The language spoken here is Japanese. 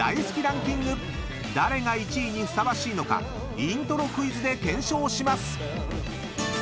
［誰が１位にふさわしいのかイントロクイズで検証します！］